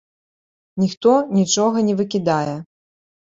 Ніхто нічога не выкідае!